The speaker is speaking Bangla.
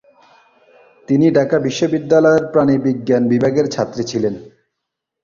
তিনি ঢাকা বিশ্ববিদ্যালয়ের প্রাণিবিজ্ঞান বিভাগের ছাত্রী ছিলেন।